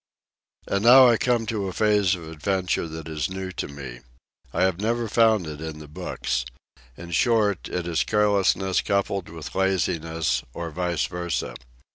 And now I come to a phase of adventure that is new to me. I have never found it in the books. In short, it is carelessness coupled with laziness, or vice versa.